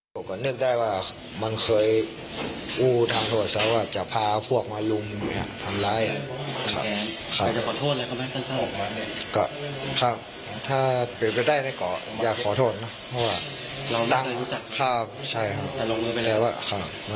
แต่เราไม่ได้รู้จักแหละครับนะเราไม่ได้รู้จัก